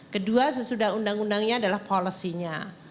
kedua sesudah undang undangnya adalah policy nya